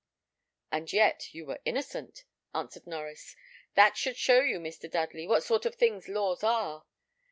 "And yet you were innocent," answered Norries. "That should show you, Mr. Dudley, what sort of things laws are.